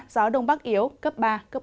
giáo đông bắc yếu cấp ba bốn